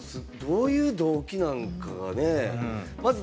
どういう動機なんかがね。